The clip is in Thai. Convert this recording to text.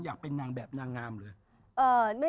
อยากเป็นนางแบบนางงามเลย